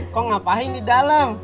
kok ngapain di dalam